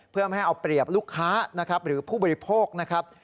เพื่อไม่ให้เอาเปรียบลูกค้านะครับหรือผู้บริโภคนะครับ